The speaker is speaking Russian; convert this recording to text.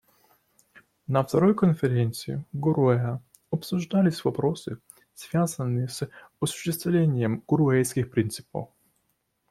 На второй конференции в Гароуэ обсуждались вопросы, связанные с осуществлением «Гароуэсских принципов».